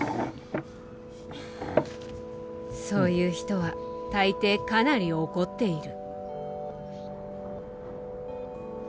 そう言う人は大抵、かなり怒っている。